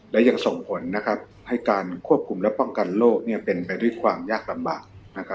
และยังส่งผลให้การควบคุมและป้องกันโรคเป็นไปด้วยความยากลำบาก